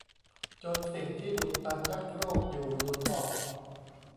จนสิ่งที่อุดตันชักโครกอยู่หลุดออก